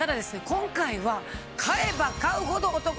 今回は。